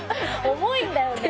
重いんだよね。